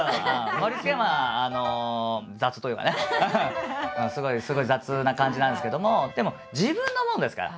盛りつけはまああの雑というかねすごい雑な感じなんですけどもでも自分のものですから。